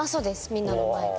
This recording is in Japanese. みんなの前で。